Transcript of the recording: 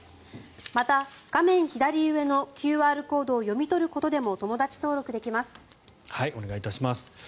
また、画面左上のＱＲコードを読み取ることでもお願いいたします。